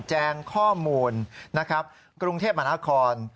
แจ้งข้อมูลนะครับกรุงเทพมหานคร